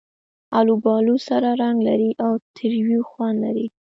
آلوبالو سره رنګ لري او تریو خوند لري.